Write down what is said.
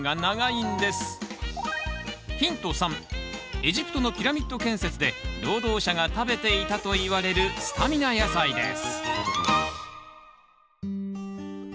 エジプトのピラミッド建設で労働者が食べていたといわれるスタミナ野菜です